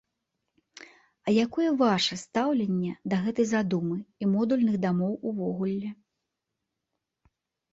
А якое вашае стаўленне да гэтай задумы і модульных дамоў увогуле?